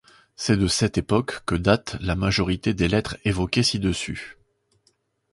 C'est de cette époque que datent la majorité des lettres évoquées ci-dessus.